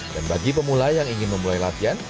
dan bagi pemula yang ingin memulai latihan